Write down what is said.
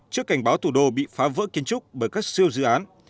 trước cảnh báo thủ đô bị phá vỡ kiến trúc bởi các siêu dự án